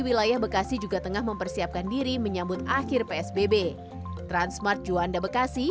wilayah bekasi juga tengah mempersiapkan diri menyambut akhir psbb transmart juanda bekasi